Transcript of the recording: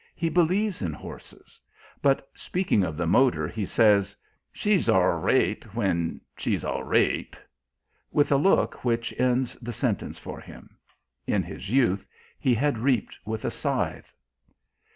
He believes in horses; but, speaking of the motor, he says: "She's arlraight when she's arlraight!" with a look which ends the sentence for him! In his youth he had reaped with a scythe.